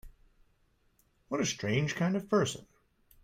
What a strange kind of person!